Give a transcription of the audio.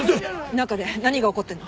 中で何が起こってるの？